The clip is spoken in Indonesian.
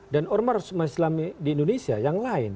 dan ormar muslim di indonesia yang lain